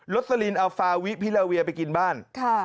สลินเอาฟาวิพิลาเวียไปกินบ้าน